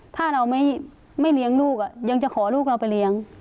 ถ้าเราไม่เลี้ยงลูกยังจะขอลูกเราไปเลี้ยง